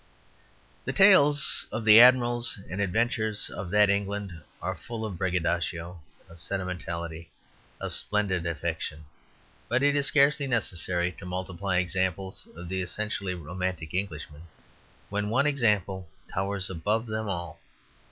The tales of all the admirals and adventurers of that England are full of braggadocio, of sentimentality, of splendid affectation. But it is scarcely necessary to multiply examples of the essentially romantic Englishman when one example towers above them all.